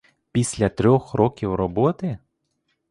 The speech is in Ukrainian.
Після трьох років роботи?